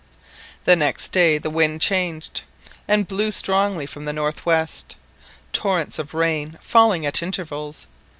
The next day the wind changed and blew strongly from the north west, torrents of rain falling at intervals.